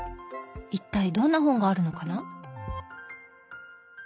一体どんな本があるのかな？